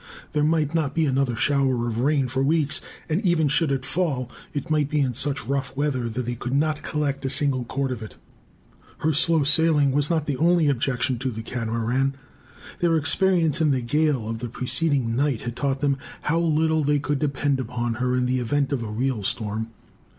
There might not be another shower of rain for weeks; and even should it fall, it might be in such rough weather that they could not collect a single quart of it. Her slow sailing was not the only objection to the Catamaran. Their experience in the gale of the preceding night had taught them, how little they could depend upon her in the event of a real storm.